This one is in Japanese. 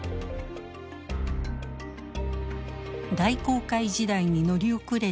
大航海時代に乗り遅れたロシア。